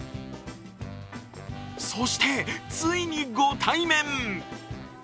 そして、ついにご対面。